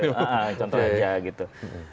ya contohnya gitu